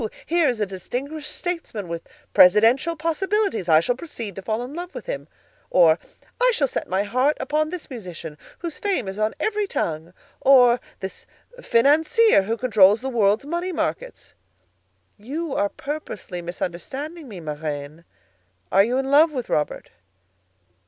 Here is a distinguished statesman with presidential possibilities; I shall proceed to fall in love with him.' Or, 'I shall set my heart upon this musician, whose fame is on every tongue?' Or, 'This financier, who controls the world's money markets?' "You are purposely misunderstanding me, ma reine. Are you in love with Robert?"